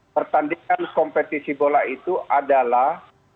pertandingan kompetisi bola itu adalah